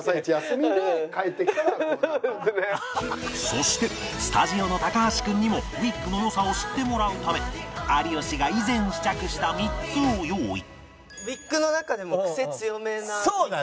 そしてスタジオの橋君にもウィッグの良さを知ってもらうため有吉が以前試着した３つを用意ウィッグの中でもクセ強めな。